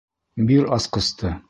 Бир асҡысты.